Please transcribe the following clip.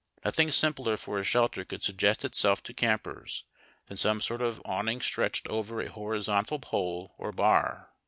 Nothing simpler for a shelter could suggest itself to campers than some sort of awning stretched over a horizontal pole or bar.